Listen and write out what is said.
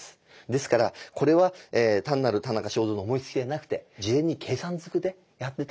ですからこれは単なる田中正造の思いつきではなくて事前に計算ずくでやってたのかな。